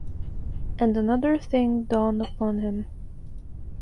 And another thing dawned upon him.